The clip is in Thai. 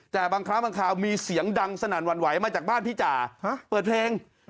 แต่บางครั้งบางคราวมีเสียงดังสนั่นหวั่นไหวมาจากบ้านพี่จ๋าเปิดเพลง